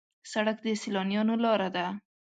سړک د سیلانیانو لاره ده.